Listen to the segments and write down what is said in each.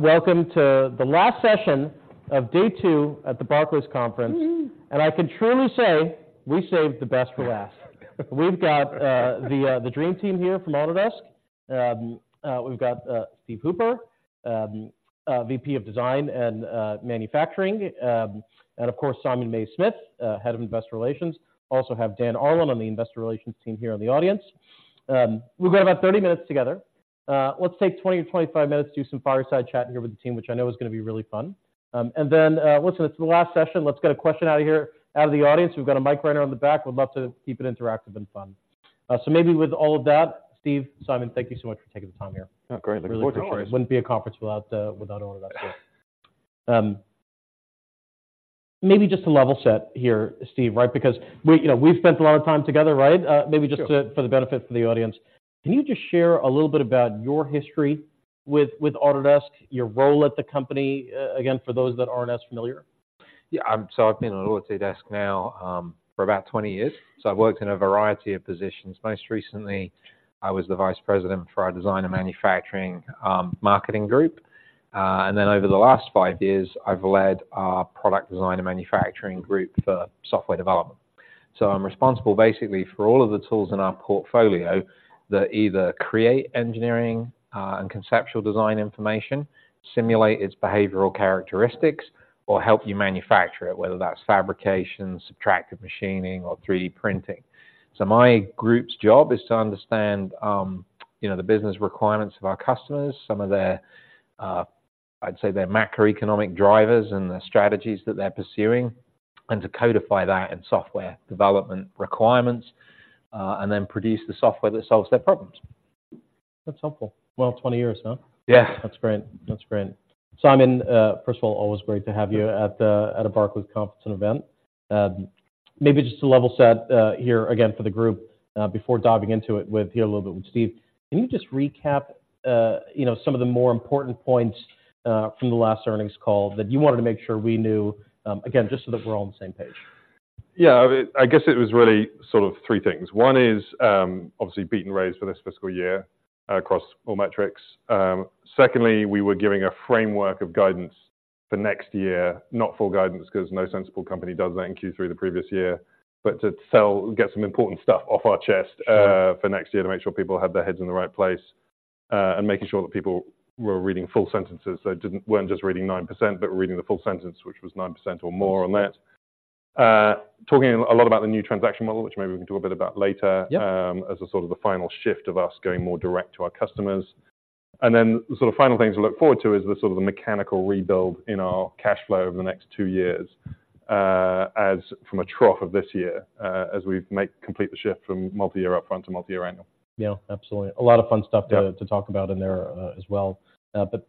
Welcome to the last session of day two at the Barclays conference. Woo-hoo! I can truly say we saved the best for last. We've got the dream team here from Autodesk. We've got Steve Hooper, VP of Design and Manufacturing. And of course, Simon Mays-Smith, Head of Investor Relations. Also have Dan Harlan on the Investor Relations team here in the audience. We've got about 30 minutes together. Let's take 20-25 minutes, do some fireside chat here with the team, which I know is gonna be really fun. And then, listen, it's the last session, let's get a question out of here, out of the audience. We've got a mic runner in the back. We'd love to keep it interactive and fun. So maybe with all of that, Steve, Simon, thank you so much for taking the time here. Oh, great. Looking forward to it. No worries. It wouldn't be a conference without all of that. Maybe just to level set here, Steve, right? Because we, you know, we've spent a lot of time together, right? Sure. Maybe just to, for the benefit for the audience, can you just share a little bit about your history with Autodesk, your role at the company, again, for those that aren't as familiar? Yeah. So I've been at Autodesk now for about 20 years. So I've worked in a variety of positions. Most recently, I was the vice president for our design and manufacturing marketing group. And then over the last 5 years, I've led our product design and manufacturing group for software development. So I'm responsible basically for all of the tools in our portfolio that either create engineering and conceptual design information, simulate its behavioral characteristics, or help you manufacture it, whether that's fabrication, subtractive machining, or 3D printing. So my group's job is to understand you know the business requirements of our customers, some of their I'd say their macroeconomic drivers and the strategies that they're pursuing, and to codify that in software development requirements and then produce the software that solves their problems. That's helpful. Well, 20 years, huh? Yeah. That's great. That's great. Simon, first of all, always great to have you at a Barclays conference and event. Maybe just to level set, here again for the group, before diving into it with here a little bit with Steve. Can you just recap, you know, some of the more important points, from the last earnings call that you wanted to make sure we knew, again, just so that we're all on the same page? Yeah, I, I guess it was really sort of three things. One is, obviously beat and raise for this fiscal year across all metrics. Secondly, we were giving a framework of guidance for next year, not full guidance, 'cause no sensible company does that in Q3 the previous year, but to sell-- get some important stuff off our chest, Sure. For next year to make sure people have their heads in the right place. And making sure that people were reading full sentences, so weren't just reading 9%, but were reading the full sentence, which was 9% or more on that. Talking a lot about the new transaction model, which maybe we can do a bit about later. Yeah... as a sort of the final shift of us going more direct to our customers. And then the sort of final thing to look forward to is the sort of the mechanical rebuild in our cash flow over the next two years, as from a trough of this year, as we make complete the shift from Multi-year upfront to Multi-year annual. Yeah, absolutely. A lot of fun stuff- Yeah... to talk about in there, as well. But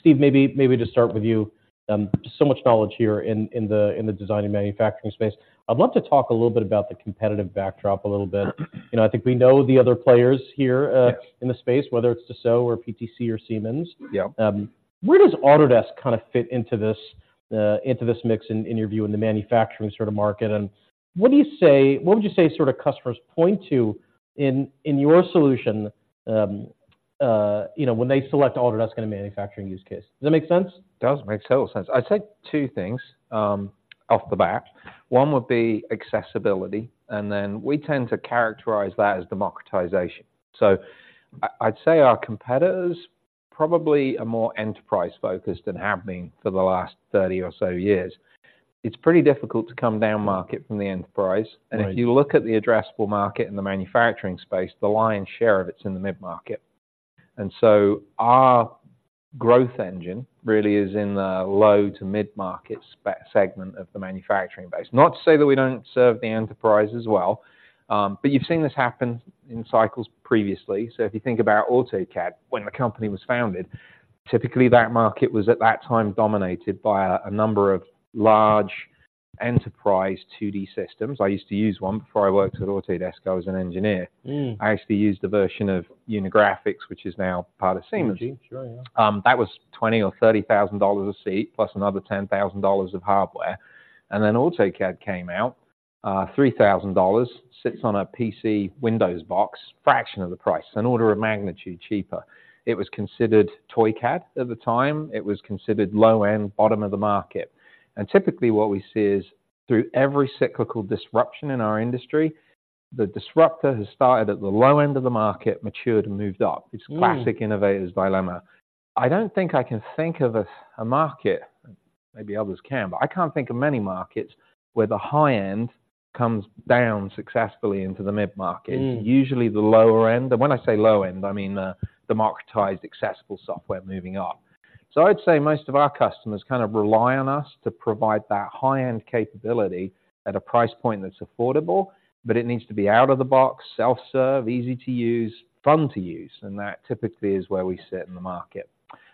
Steve, maybe to start with you, so much knowledge here in the design and manufacturing space. I'd love to talk a little bit about the competitive backdrop a little bit. You know, I think we know the other players here. Yeah... in the space, whether it's Dassault or PTC or Siemens. Yeah. Where does Autodesk kind of fit into this mix in your view, in the manufacturing sort of market? And what would you say sort of customers point to in your solution, you know, when they select Autodesk in a manufacturing use case? Does that make sense? Does make total sense. I'd say two things off the bat. One would be accessibility, and then we tend to characterize that as democratization. So, I'd say our competitors probably are more enterprise-focused than have been for the last 30 or so years. It's pretty difficult to come down market from the enterprise. Right. If you look at the addressable market in the manufacturing space, the lion's share of it's in the mid-market. Our growth engine really is in the low to mid-market segment of the manufacturing base. Not to say that we don't serve the enterprise as well, but you've seen this happen in cycles previously. If you think about AutoCAD, when the company was founded, typically that market was at that time dominated by a number of large enterprise 2D systems. I used to use one before I worked at Autodesk. I was an engineer. Mm. I actually used a version of Unigraphics, which is now part of Siemens. Sure, yeah. That was $20,000-$30,000 a seat, plus another $10,000 of hardware. And then AutoCAD came out, $3,000, sits on a PC Windows box, fraction of the price, an order of magnitude cheaper. It was considered ToyCAD at the time. It was considered low-end, bottom of the market. And typically, what we see is through every cyclical disruption in our industry, the disruptor has started at the low-end of the market, matured, and moved up. Mm. It's classic innovator's dilemma. I don't think I can think of a, a market, maybe others can, but I can't think of many markets where the high end comes down successfully into the mid-market. Mm. Usually the lower end, and when I say low end, I mean the marketized accessible software moving up. So I'd say most of our customers kind of rely on us to provide that high-end capability at a price point that's affordable, but it needs to be out of the box, self-serve, easy to use, fun to use, and that typically is where we sit in the market.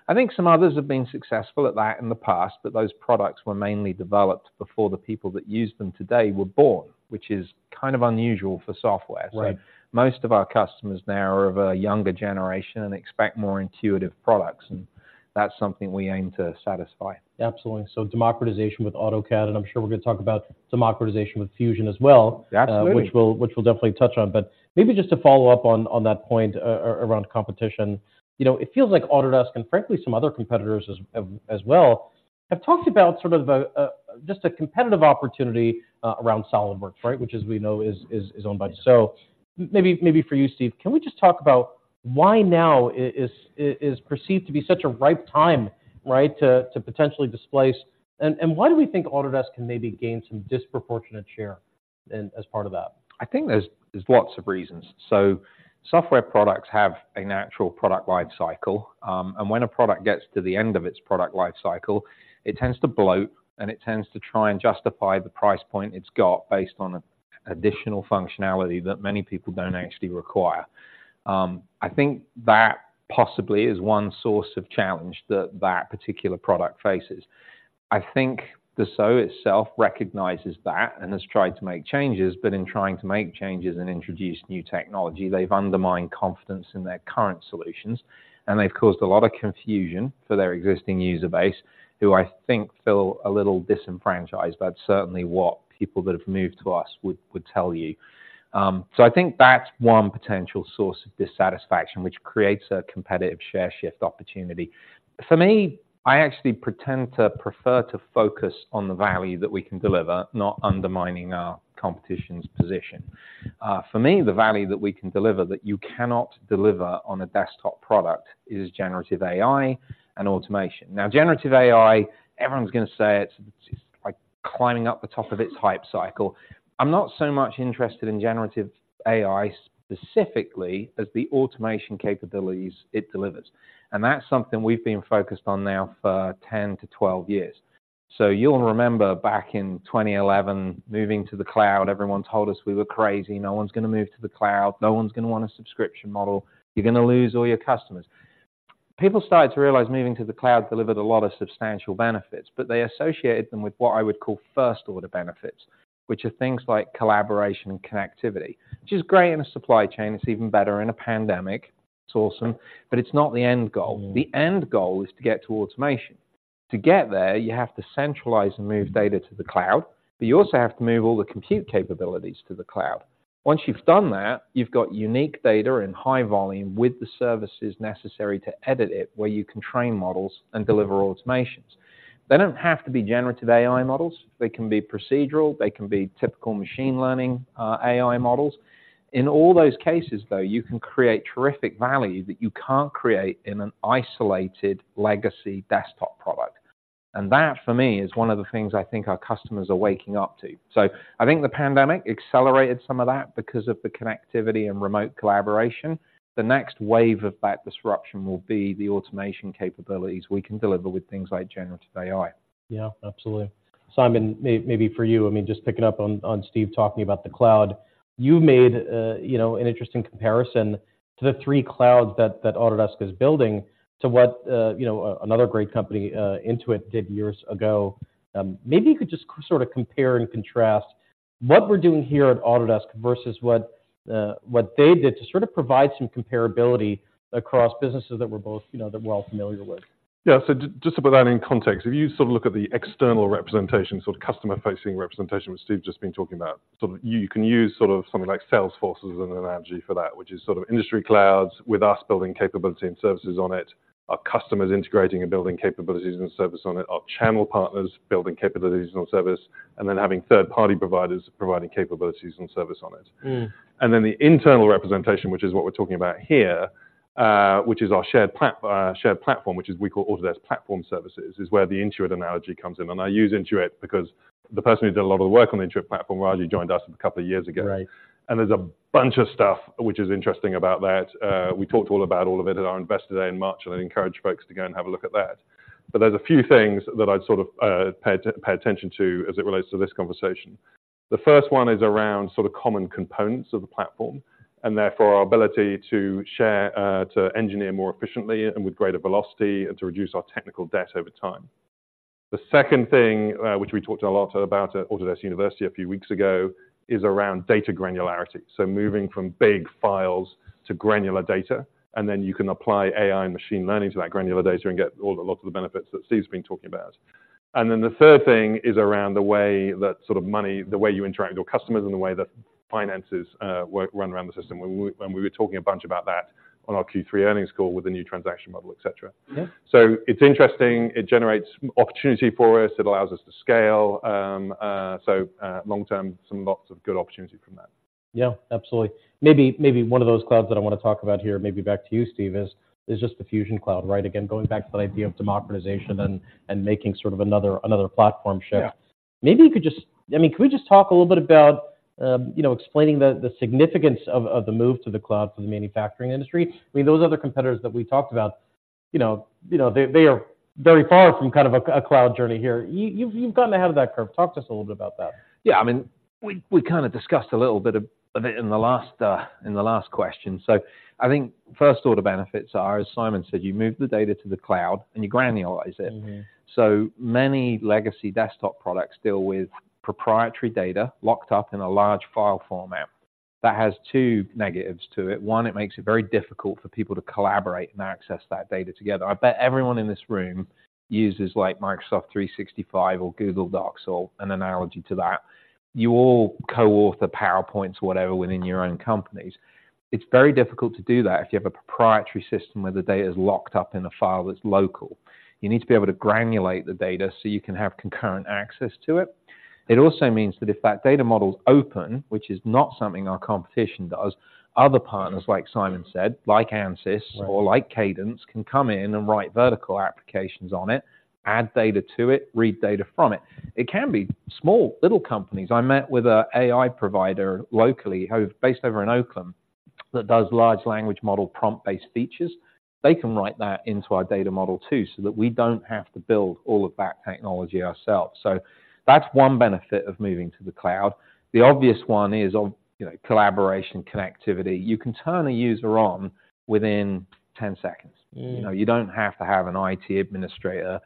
I think some others have been successful at that in the past, but those products were mainly developed before the people that use them today were born, which is kind of unusual for software. Right. Most of our customers now are of a younger generation and expect more intuitive products, and that's something we aim to satisfy. Absolutely. So democratization with AutoCAD, and I'm sure we're gonna talk about democratization with Fusion as well- Absolutely... which we'll definitely touch on. But maybe just to follow up on that point around competition, you know, it feels like Autodesk and frankly, some other competitors as well... I've talked about sort of just a competitive opportunity around SolidWorks, right? Which as we know, is owned by. So maybe for you, Steve, can we just talk about why now is perceived to be such a ripe time, right, to potentially displace? And why do we think Autodesk can maybe gain some disproportionate share in, as part of that? I think there's lots of reasons. So software products have a natural product life cycle. And when a product gets to the end of its product life cycle, it tends to bloat, and it tends to try and justify the price point it's got based on additional functionality that many people don't actually require. I think that possibly is one source of challenge that that particular product faces. I think the SW itself recognizes that and has tried to make changes, but in trying to make changes and introduce new technology, they've undermined confidence in their current solutions, and they've caused a lot of confusion for their existing user base, who, I think, feel a little disenfranchised. That's certainly what people that have moved to us would tell you. So I think that's one potential source of dissatisfaction, which creates a competitive share shift opportunity. For me, I actually pretend to prefer to focus on the value that we can deliver, not undermining our competition's position. For me, the value that we can deliver that you cannot deliver on a desktop product is generative AI and automation. Now, generative AI, everyone's gonna say it, it's like climbing up the top of its hype cycle. I'm not so much interested in generative AI specifically, as the automation capabilities it delivers, and that's something we've been focused on now for 10-12 years. So you'll remember back in 2011, moving to the cloud, everyone told us we were crazy. No one's gonna move to the cloud. No one's gonna want a subscription model. You're gonna lose all your customers. People started to realize moving to the cloud delivered a lot of substantial benefits, but they associated them with what I would call first-order benefits, which are things like collaboration and connectivity, which is great in a supply chain. It's even better in a pandemic. It's awesome, but it's not the end goal. Mm-hmm. The end goal is to get to automation. To get there, you have to centralize and move data to the cloud, but you also have to move all the compute capabilities to the cloud. Once you've done that, you've got unique data and high volume with the services necessary to edit it, where you can train models and deliver automations. They don't have to be generative AI models. They can be procedural, they can be typical machine learning, AI models. In all those cases, though, you can create terrific value that you can't create in an isolated legacy desktop product, and that, for me, is one of the things I think our customers are waking up to. So I think the pandemic accelerated some of that because of the connectivity and remote collaboration. The next wave of that disruption will be the automation capabilities we can deliver with things like generative AI. Yeah, absolutely. Simon, maybe for you, I mean, just picking up on Steve talking about the cloud. You made, you know, an interesting comparison to the three clouds that Autodesk is building to what, you know, another great company, Intuit, did years ago. Maybe you could just sort of compare and contrast what we're doing here at Autodesk versus what, what they did to sort of provide some comparability across businesses that we're both, you know, that we're all familiar with. Yeah, so just to put that in context, if you sort of look at the external representation, sort of customer-facing representation, which Steve's just been talking about, so you can use sort of something like Salesforce as an analogy for that. Which is sort of industry clouds with us building capability and services on it, our customers integrating and building capabilities and service on it, our channel partners building capabilities on service, and then having third-party providers providing capabilities and service on it. Mm. Then the internal representation, which is what we're talking about here, which is our shared platform, which we call Autodesk Platform Services, is where the Intuit analogy comes in. And I use Intuit because the person who did a lot of the work on the Intuit platform, Raji, joined us a couple of years ago. Right. There's a bunch of stuff which is interesting about that. We talked all about all of it at our Investor Day in March, and I'd encourage folks to go and have a look at that. But there's a few things that I'd sort of pay attention to as it relates to this conversation. The first one is around sort of common components of the platform, and therefore, our ability to share, to engineer more efficiently and with greater velocity and to reduce our technical debt over time. The second thing, which we talked a lot about at Autodesk University a few weeks ago, is around data granularity. So moving from big files to granular data, and then you can apply AI and machine learning to that granular data and get all, a lot of the benefits that Steve's been talking about. And then the third thing is around the way that sort of money, the way you interact with your customers and the way that finances work, run around the system, where we, and we were talking a bunch about that on our Q3 earnings call with the new transaction model, et cetera. Yeah. So it's interesting. It generates opportunity for us. It allows us to scale. Long term, some lots of good opportunity from that. Yeah, absolutely. Maybe one of those clouds that I want to talk about here, maybe back to you, Steve, is just the Fusion Cloud, right? Again, going back to that idea of democratization and making sort of another platform shift. Yeah. Maybe you could just... I mean, could we just talk a little bit about, you know, explaining the significance of the move to the cloud for the manufacturing industry? I mean, those other competitors that we talked about, you know, you know, they are very far from kind of a cloud journey here. You've gotten ahead of that curve. Talk to us a little bit about that. Yeah, I mean, we kind of discussed a little bit of it in the last question. So I think first-order benefits are, as Simon said, you move the data to the cloud, and you granularize it. Mm-hmm. So many legacy desktop products deal with proprietary data locked up in a large file format. That has two negatives to it. One, it makes it very difficult for people to collaborate and access that data together. I bet everyone in this room uses, like, Microsoft 365 or Google Docs, or an analogy to that. You all co-author PowerPoints, whatever, within your own companies. It's very difficult to do that if you have a proprietary system where the data is locked up in a file that's local. You need to be able to granulate the data so you can have concurrent access to it. It also means that if that data model's open, which is not something our competition does, other partners, like Simon said, like Ansys or like Cadence, can come in and write vertical applications on it, add data to it, read data from it. It can be small, little companies. I met with an AI provider locally, who's based over in Oakland, that does large language model prompt-based features. They can write that into our data model too, so that we don't have to build all of that technology ourselves. So that's one benefit of moving to the cloud. The obvious one is, you know, collaboration, connectivity. You can turn a user on within 10 seconds. Mm. You know, you don't have to have an IT administrator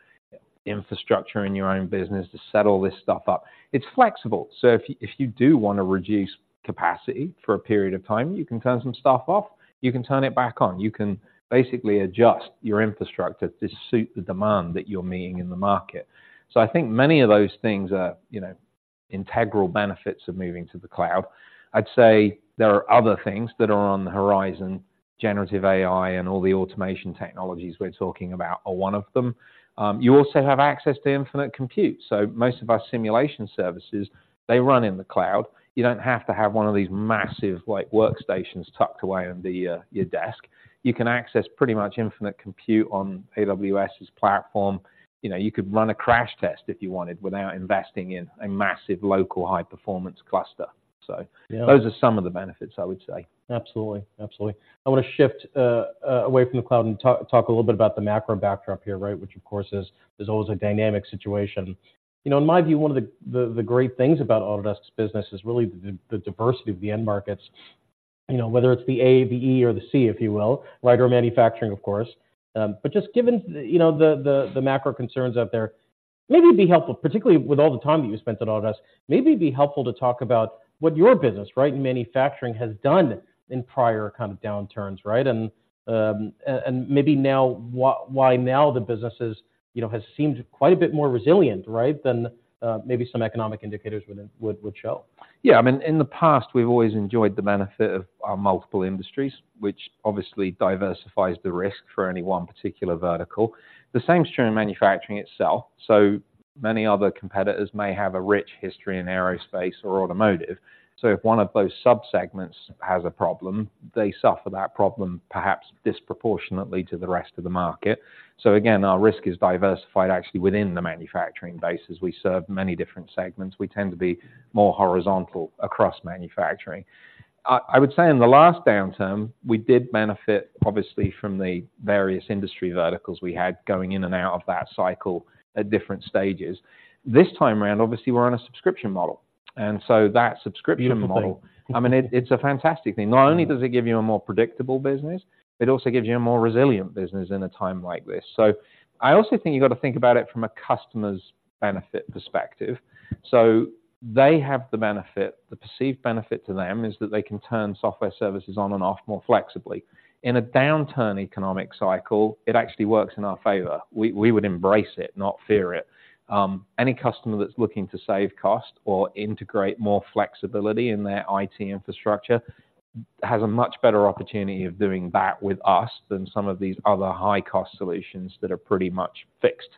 infrastructure in your own busines to set all this stuff up. It's flexible, so if you, if you do wanna reduce capacity for a period of time, you can turn some stuff off, you can turn it back on. You can basically adjust your infrastructure to suit the demand that you're meeting in the market. So I think many of those things are, you know, integral benefits of moving to the cloud. I'd say there are other things that are on the horizon, generative AI and all the automation technologies we're talking about are one of them. You also have access to infinite compute. So most of our simulation services, they run in the cloud. You don't have to have one of these massive, like, workstations tucked away under your, your desk. You can access pretty much infinite compute on AWS's platform. You know, you could run a crash test if you wanted, without investing in a massive local high-performance cluster. So- Yeah. Those are some of the benefits, I would say. Absolutely. Absolutely. I wanna shift away from the cloud and talk a little bit about the macro backdrop here, right? Which, of course, is always a dynamic situation. You know, in my view, one of the great things about Autodesk's business is really the diversity of the end markets. You know, whether it's the A, the E, or the C, if you will, right, or manufacturing, of course. But just given, you know, the macro concerns out there, maybe it'd be helpful, particularly with all the time that you've spent at Autodesk, maybe it'd be helpful to talk about what your business, right, in manufacturing, has done in prior kind of downturns, right? And maybe now, why now the businesses, you know, has seemed quite a bit more resilient, right, than maybe some economic indicators would show. Yeah. I mean, in the past, we've always enjoyed the benefit of our multiple industries, which obviously diversifies the risk for any one particular vertical. The same is true in manufacturing itself. So many other competitors may have a rich history in aerospace or automotive, so if one of those subsegments has a problem, they suffer that problem perhaps disproportionately to the rest of the market. So again, our risk is diversified actually within the manufacturing bases. We serve many different segments. We tend to be more horizontal across manufacturing. I would say in the last downturn, we did benefit obviously from the various industry verticals we had going in and out of that cycle at different stages. This time around, obviously, we're on a subscription model, and so that subscription model- Beautiful thing.... I mean, it, it's a fantastic thing. Yeah. Not only does it give you a more predictable business, it also gives you a more resilient business in a time like this. I also think you've got to think about it from a customer's benefit perspective. They have the benefit. The perceived benefit to them is that they can turn software services on and off more flexibly. In a downturn economic cycle, it actually works in our favor. We would embrace it, not fear it. Any customer that's looking to save cost or integrate more flexibility in their IT infrastructure has a much better opportunity of doing that with us than some of these other high-cost solutions that are pretty much fixed.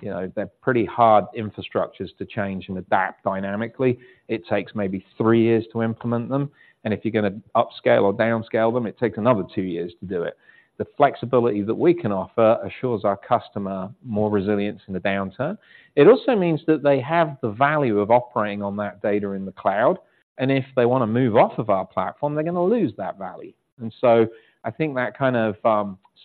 You know, they're pretty hard infrastructures to change and adapt dynamically. It takes maybe three years to implement them, and if you're gonna upscale or downscale them, it takes another two years to do it. The flexibility that we can offer assures our customer more resilience in a downturn. It also means that they have the value of operating on that data in the cloud, and if they wanna move off of our platform, they're gonna lose that value. And so I think that kind of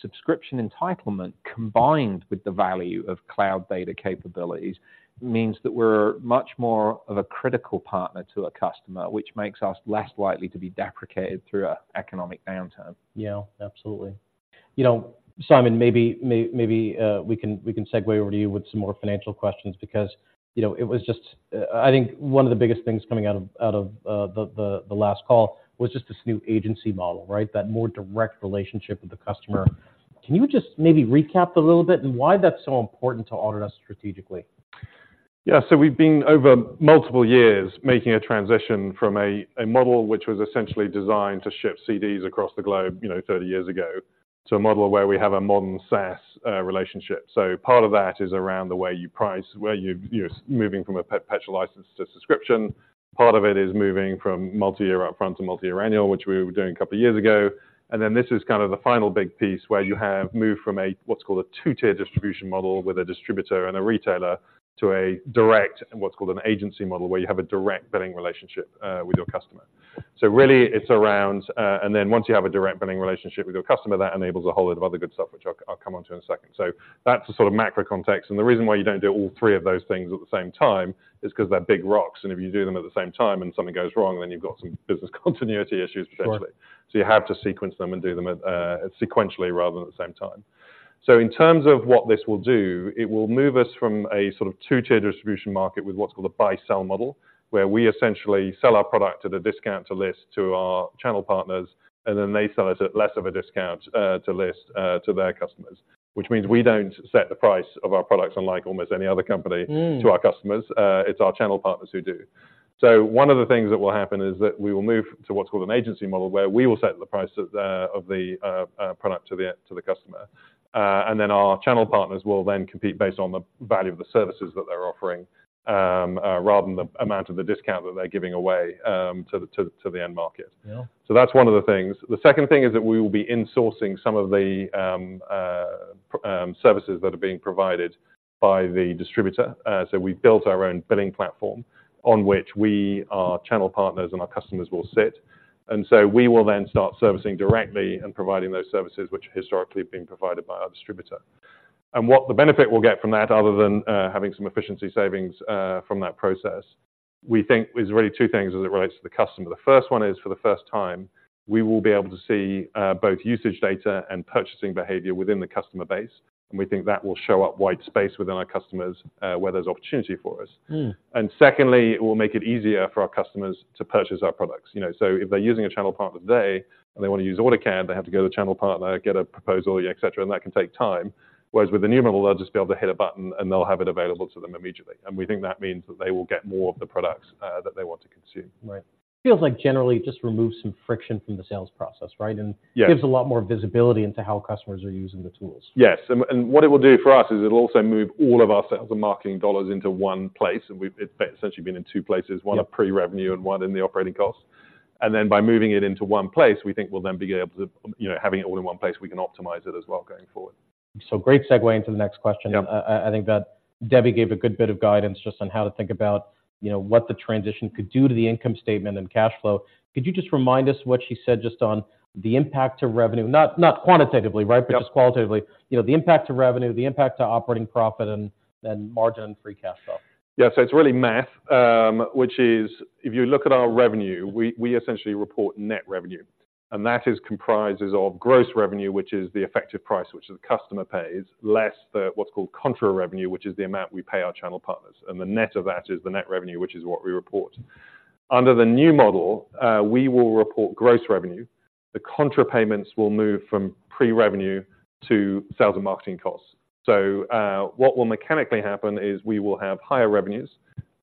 subscription entitlement, combined with the value of cloud data capabilities, means that we're much more of a critical partner to a customer, which makes us less likely to be deprecated through an economic downturn. Yeah, absolutely. You know, Simon, maybe we can segue over to you with some more financial questions because, you know, it was just... I think one of the biggest things coming out of the last call was just this new agency model, right? That more direct relationship with the customer. Can you just maybe recap a little bit, and why that's so important to Autodesk strategically? Yeah. So we've been, over multiple years, making a transition from a model which was essentially designed to ship CDs across the globe, you know, 30 years ago, to a model where we have a modern SaaS relationship. So part of that is around the way you price, where you've, you're moving from a perpetual license to subscription. Part of it is moving from multi-year upfront to multi-year annual, which we were doing a couple of years ago. And then this is kind of the final big piece, where you have moved from a, what's called a two-tier distribution model, with a distributor and a retailer, to a direct, and what's called an agency model, where you have a direct billing relationship with your customer. So really, it's around. And then once you have a direct billing relationship with your customer, that enables a whole lot of other good stuff, which I'll, I'll come on to in a second. So that's the sort of macro context. And the reason why you don't do all three of those things at the same time is 'cause they're big rocks, and if you do them at the same time and something goes wrong, then you've got some business continuity issues, potentially... So you have to sequence them and do them sequentially rather than at the same time. So in terms of what this will do, it will move us from a sort of two-tiered distribution market with what's called a buy-sell model, where we essentially sell our product at a discount to list to our channel partners, and then they sell it at less of a discount, to list, to their customers. Which means we don't set the price of our products, unlike almost any other company- Mm. To our customers, it's our channel partners who do. So one of the things that will happen is that we will move to what's called an agency model, where we will set the price of the product to the customer. And then our channel partners will then compete based on the value of the services that they're offering, rather than the amount of the discount that they're giving away, to the end market. Yeah. So that's one of the things. The second thing is that we will be insourcing some of the services that are being provided by the distributor. So we've built our own billing platform on which we, our channel partners, and our customers will sit. And so we will then start servicing directly and providing those services which historically have been provided by our distributor. And what the benefit we'll get from that, other than having some efficiency savings from that process, we think is really two things as it relates to the customer. The first one is, for the first time, we will be able to see both usage data and purchasing behavior within the customer base, and we think that will show up white space within our customers where there's opportunity for us. Mm. And secondly, it will make it easier for our customers to purchase our products. You know, so if they're using a channel partner today, and they want to use AutoCAD, they have to go to the channel partner, get a proposal, et cetera, and that can take time. Whereas with the new model, they'll just be able to hit a button, and they'll have it available to them immediately. And we think that means that they will get more of the products, that they want to consume. Right. Feels like generally it just removes some friction from the sales process, right? Yeah. And gives a lot more visibility into how customers are using the tools. Yes, and, and what it will do for us is it'll also move all of our sales and marketing dollars into one place, and it's essentially been in two places- Yeah ...one at pre-revenue and one in the operating costs. And then by moving it into one place, we think we'll then be able to, you know, having it all in one place, we can optimize it as well going forward. Great segue into the next question. Yeah. I think that Debbie gave a good bit of guidance just on how to think about, you know, what the transition could do to the income statement and cash flow. Could you just remind us what she said just on the impact to revenue? Not quantitatively, right? Yeah. But just qualitatively. You know, the impact to revenue, the impact to operating profit and margin and free cash flow. Yeah. So it's really math, which is, if you look at our revenue, we, we essentially report net revenue. And that is comprises of gross revenue, which is the effective price which the customer pays, less the what's called Contra revenue, which is the amount we pay our channel partners. And the net of that is the net revenue, which is what we report. Under the new model, we will report gross revenue. The contra payments will move from pre-revenue to sales and marketing costs. So, what will mechanically happen is we will have higher revenues,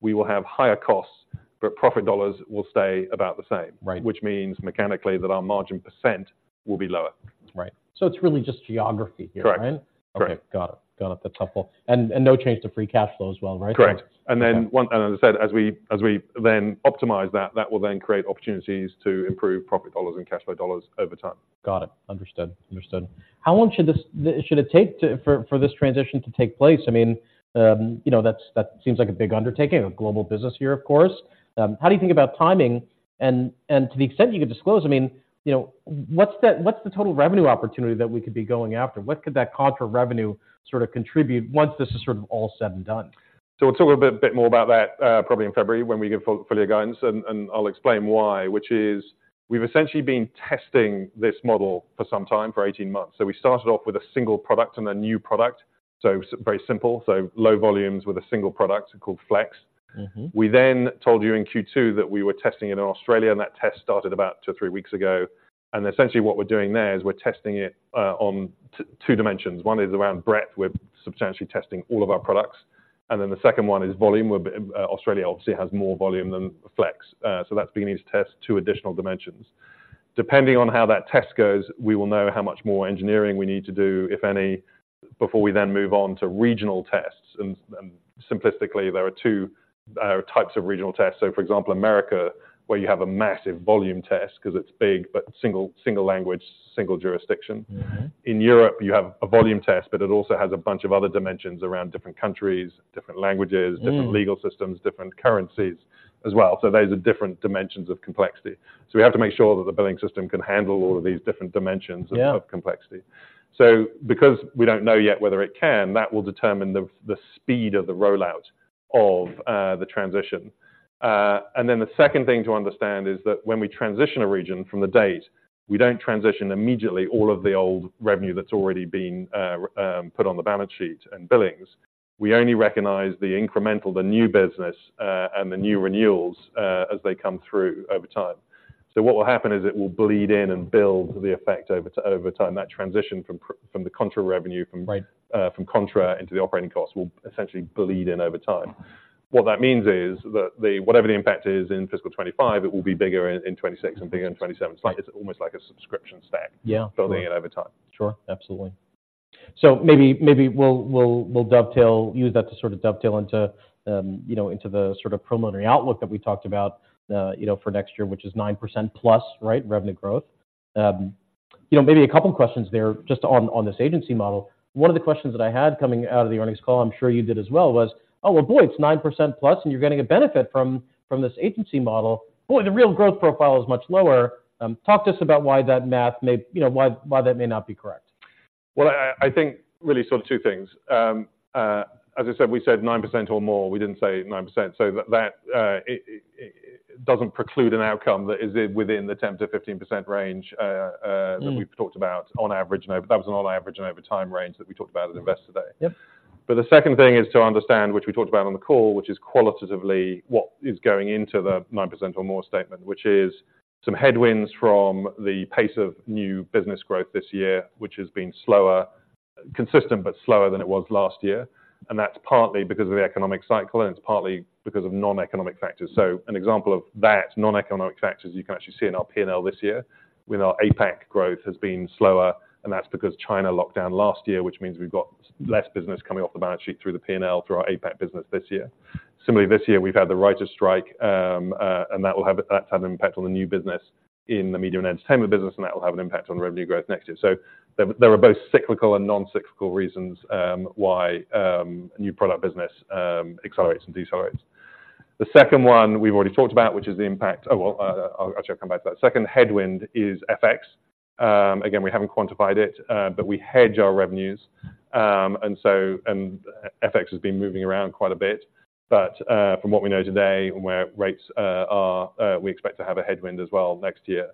we will have higher costs, but profit dollars will stay about the same. Right. Which means mechanically, that our margin % will be lower. Right. So it's really just geography here, right? Correct. Correct. Okay, got it. Got it. That's helpful. And no change to free cash flow as well, right? Correct. Okay. As I said, as we, as we then optimize that, that will then create opportunities to improve profit dollars and cash flow dollars over time. Got it. Understood. Understood. How long should it take for this transition to take place? I mean, you know, that seems like a big undertaking, a global business here, of course. How do you think about timing? And to the extent you can disclose, I mean, you know, what's the total revenue opportunity that we could be going after? What could that Contra revenue sort of contribute once this is sort of all said and done? So we'll talk a bit, bit more about that, probably in February when we give full-year guidance, and I'll explain why. Which is, we've essentially been testing this model for some time, for 18 months. So we started off with a single product and a new product, so very simple, so low volumes with a single product called Flex. Mm-hmm. We then told you in Q2 that we were testing it in Australia, and that test started about two to three weeks ago. Essentially what we're doing there is we're testing it on two dimensions. One is around breadth. We're substantially testing all of our products, and then the second one is volume, where Australia obviously has more volume than Flex. So that's beginning to test two additional dimensions. Depending on how that test goes, we will know how much more engineering we need to do, if any, before we then move on to regional tests. And simplistically, there are two types of regional tests. So for example, America, where you have a massive volume test, 'cause it's big, but single, single language, single jurisdiction. Mm-hmm. In Europe, you have a volume test, but it also has a bunch of other dimensions around different countries, different languages- Mm... different legal systems, different currencies as well. So those are different dimensions of complexity. So we have to make sure that the billing system can handle all of these different dimensions- Yeah... of complexity. So because we don't know yet whether it can, that will determine the speed of the rollout of the transition. And then the second thing to understand is that when we transition a region from the date, we don't transition immediately all of the old revenue that's already been put on the balance sheet and billings. We only recognize the incremental, the new business, and the new renewals, as they come through over time. So what will happen is it will bleed in and build the effect over time, that transition from the contra revenue from- Right... from contra into the operating costs will essentially bleed in over time. What that means is that whatever the impact is in fiscal 2025, it will be bigger in 2026 and bigger in 2027. It's like, it's almost like a subscription stack. Yeah. Building it over time. Sure. Absolutely. So maybe we'll use that to sort of dovetail into, you know, into the sort of preliminary outlook that we talked about, you know, for next year, which is 9%+, right? Revenue growth. You know, maybe a couple of questions there just on this agency model. One of the questions that I had coming out of the earnings call, I'm sure you did as well, was, "Oh, well, boy, it's 9%+, and you're getting a benefit from this agency model. Boy, the real growth profile is much lower." Talk to us about why that math may, you know, why that may not be correct?... Well, I think really sort of two things. As I said, we said 9% or more, we didn't say 9%. So it doesn't preclude an outcome that is within the 10%-15% range... Mm-hmm... that we've talked about on average. And that was an on average and over time range that we talked about at Investor Day. Yep. But the second thing is to understand, which we talked about on the call, which is qualitatively what is going into the 9% or more statement, which is some headwinds from the pace of new business growth this year, which has been slower, consistent, but slower than it was last year. And that's partly because of the economic cycle, and it's partly because of non-economic factors. So an example of that, non-economic factors, you can actually see in our P&L this year, with our APAC growth has been slower, and that's because China locked down last year, which means we've got less business coming off the balance sheet through the P&L, through our APAC business this year. Similarly, this year, we've had the writers strike, and that will have-- that's had an impact on the new business in the media and entertainment business, and that will have an impact on revenue growth next year. So there are both cyclical and non-cyclical reasons why new product business accelerates and decelerates. The second one we've already talked about, which is the impact-- Oh, well, I'll actually come back to that. Second headwind is FX. Again, we haven't quantified it, but we hedge our revenues. And so, FX has been moving around quite a bit. But, from what we know today and where rates are, we expect to have a headwind as well next year.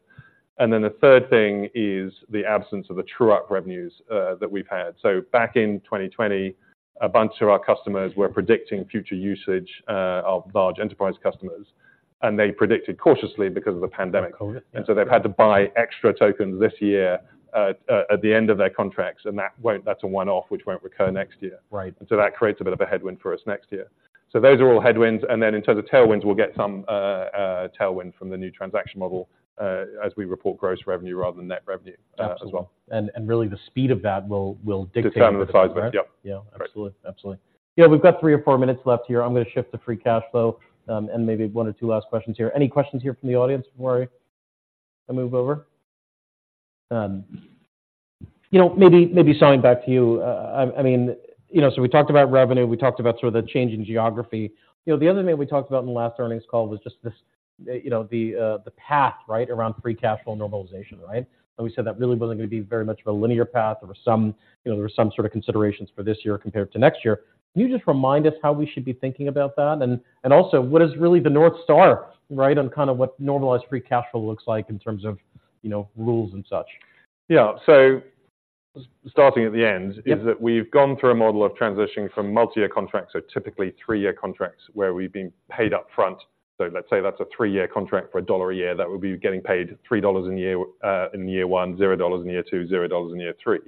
And then the third thing is the absence of the true-up revenues that we've had. So back in 2020, a bunch of our customers were predicting future usage of large enterprise customers, and they predicted cautiously because of the pandemic. Got it. And so they've had to buy extra tokens this year, at the end of their contracts, and that won't—that's a one-off, which won't recur next year. Right. That creates a bit of a headwind for us next year. Those are all headwinds, and then in terms of tailwinds, we'll get some tailwind from the new transaction model as we report gross revenue rather than net revenue. Absolutely. -as well. And really the speed of that will dictate- Determine the size of it. Yep. Yeah, absolutely. Absolutely. Yeah, we've got three or four minutes left here. I'm gonna shift to free cash flow, and maybe one or two last questions here. Any questions here from the audience before I move over? You know, maybe circling back to you, I mean, you know, so we talked about revenue, we talked about sort of the change in geography. You know, the other thing we talked about in the last earnings call was just this, you know, the path, right, around free cash flow normalization, right? And we said that really wasn't gonna be very much of a linear path. There were some, you know, there were some sort of considerations for this year compared to next year. Can you just remind us how we should be thinking about that? And also, what is really the North Star, right, on kind of what normalized free cash flow looks like in terms of, you know, rules and such? Yeah. So starting at the end- Yep... is that we've gone through a model of transitioning from multi-year contracts, so typically three-year contracts, where we've been paid up front. So let's say that's a three-year contract for $1 a year, that would be getting paid $3 in year one, $0 in year two, $0 in year three,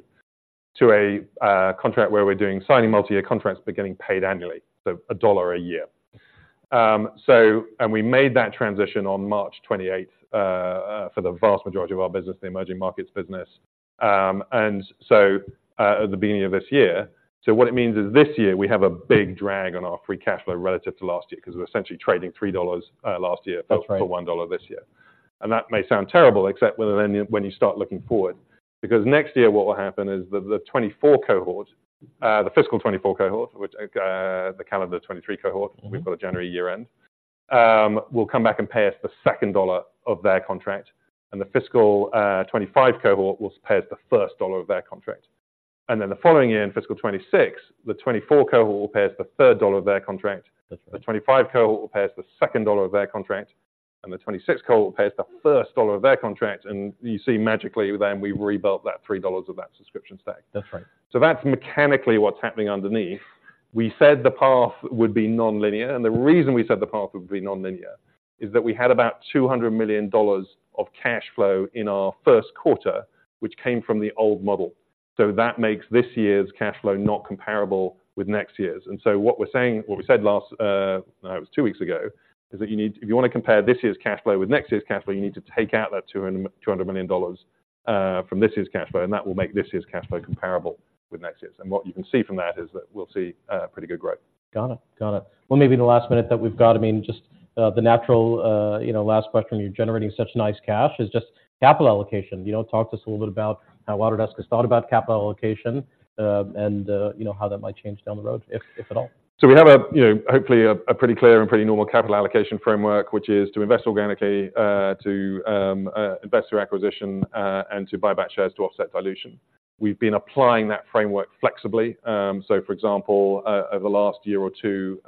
to a contract where we're doing signing multi-year contracts, but getting paid annually, so $1 a year. So, and we made that transition on March 28 for the vast majority of our business, the emerging markets business. And so, at the beginning of this year, so what it means is this year, we have a big drag on our free cash flow relative to last year because we're essentially trading $3 last year- That's right... for $1 this year. That may sound terrible, except when you start looking forward, because next year, what will happen is that the 2024 cohort, the fiscal 2024 cohort, which the calendar 2023 cohort, we've got a January year end, will come back and pay us the second $1 of their contract, and the fiscal 2025 cohort will pay us the first $1 of their contract. Then the following year, in fiscal 2026, the 2024 cohort will pay us the third $1 of their contract. That's right. The 25 cohort will pay us the second dollar of their contract, and the 26 cohort will pay us the first dollar of their contract, and you see magically then we've rebuilt that 3 dollars of that subscription stack. That's right. So that's mechanically what's happening underneath. We said the path would be nonlinear, and the reason we said the path would be nonlinear is that we had about $200 million of cash flow in our first quarter, which came from the old model. So that makes this year's cash flow not comparable with next year's. And so what we're saying, what we said last, no, it was two weeks ago, is that you need—if you wanna compare this year's cash flow with next year's cash flow, you need to take out that $200, $200 million from this year's cash flow, and that will make this year's cash flow comparable with next year's. And what you can see from that is that we'll see pretty good growth. Got it. Got it. Well, maybe in the last minute that we've got, I mean, just the natural, you know, last question, you're generating such nice cash, is just capital allocation. You know, talk to us a little bit about how Autodesk has thought about capital allocation, and you know, how that might change down the road, if, if at all. So we have a, you know, hopefully a pretty clear and pretty normal capital allocation framework, which is to invest organically, to invest through acquisition, and to buy back shares to offset dilution. We've been applying that framework flexibly, so for example, over the last year or two,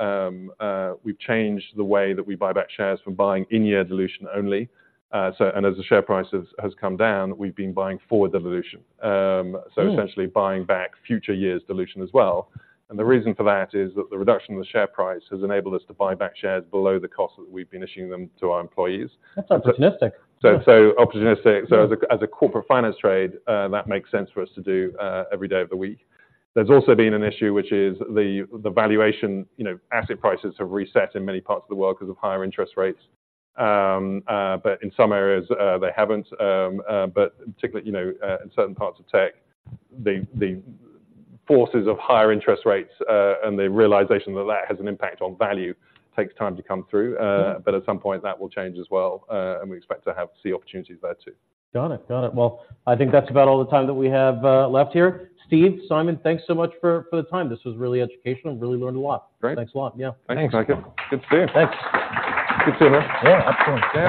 we've changed the way that we buy back shares from buying in-year dilution only. And as the share price has come down, we've been buying forward the dilution. So essentially- Mm... buying back future years' dilution as well. And the reason for that is that the reduction in the share price has enabled us to buy back shares below the cost that we've been issuing them to our employees. That's opportunistic. So, so opportunistic. So as a corporate finance trade, that makes sense for us to do every day of the week. There's also been an issue, which is the valuation, you know, asset prices have reset in many parts of the world because of higher interest rates. But in some areas, they haven't, but particularly, you know, in certain parts of tech, the forces of higher interest rates and the realization that that has an impact on value takes time to come through, but at some point, that will change as well, and we expect to see opportunities there too. Got it. Got it. Well, I think that's about all the time that we have left here. Steve, Simon, thanks so much for the time. This was really educational. Really learned a lot. Great. Thanks a lot. Yeah. Thanks, Michael. Good to see you. Thanks. Good to see you, man. Yeah, absolutely. Thanks.